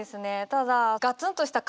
ただガツンとした